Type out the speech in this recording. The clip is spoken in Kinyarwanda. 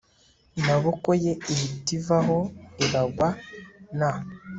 maboko ye ihita ivaho iragwa n